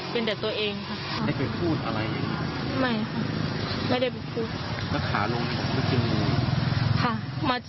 เป็นแต่ตัวเองค่ะ